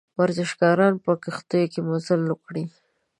ورزشکاران به په کښتیو کې مزل وکړي.